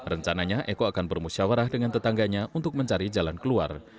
rencananya eko akan bermusyawarah dengan tetangganya untuk mencari jalan keluar